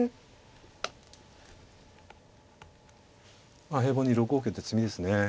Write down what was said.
まあ平凡に６五桂で詰みですね。